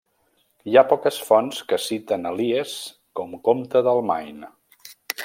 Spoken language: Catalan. Hi ha poques fonts que citen Elies com comte del Maine.